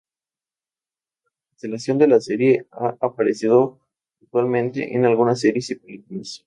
Tras la cancelación de la serie, ha aparecido puntualmente en algunas series y películas.